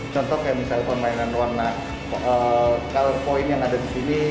contoh kayak misalnya permainan warna color point yang ada di sini